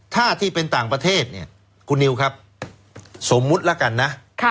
ถ้าที่เป็นต่างประเทศเนี่ยคุณนิวครับสมมุติแล้วกันนะ